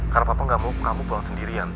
karena papa gak mau kamu pulang sendirian